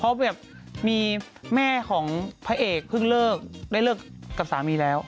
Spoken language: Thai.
เพราะแบบมีแม่ของพระเอกพึ่งได้เลิกกับสามีแล้ว